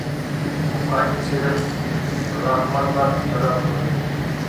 ئۇ قايتىپ كېلىپ راخمانغا پىچىرلاپ قويىدۇ.